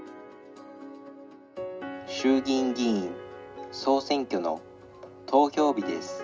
衆議院議員総選挙の投票日です。